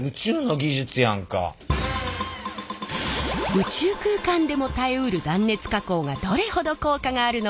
宇宙空間でも耐えうる断熱加工がどれほど効果があるのか